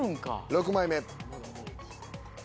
６枚目。